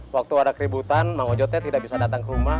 waktu ada keributan ma'am ojo teh tidak bisa dateng ke rumah